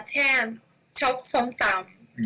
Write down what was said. แช่ชอบส้มตำ